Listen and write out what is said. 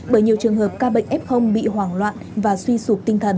bởi nhiều trường hợp ca bệnh f bị hoảng loạn và suy sụp